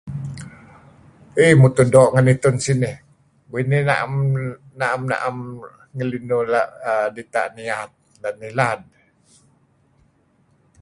Iih mutuh doo. ngen itun sinih uih inih naem-naem ngelinuh ela' dita' niat lat ngilad.